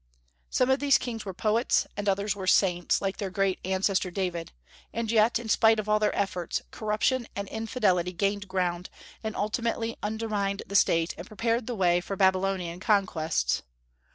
Some of these kings were poets, and others were saints, like their great ancestor David; and yet, in spite of all their efforts, corruption, and infidelity gained ground, and ultimately undermined the state and prepared the way for Babylonian conquests.